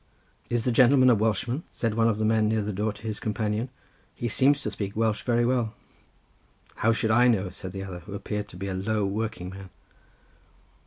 "Is the gentleman a Welshman?" said one of the men, near the door, to his companion; "he seems to speak Welsh very well." "How should I know?" said the other, who appeared to be a low working man.